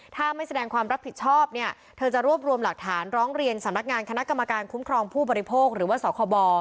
ถ้าไม่แสดงความรับผิดชอบเนี่ยเธอจะรวบรวมหลักฐานร้องเรียนสำนักงานคณะกรรมการคุ้มครองผู้บริโภคหรือว่าสคบ